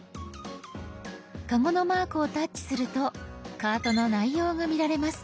カゴのマークをタッチするとカートの内容が見られます。